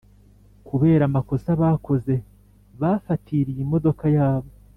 Kubera amakosa bakoze bafatiriye imodoka yabo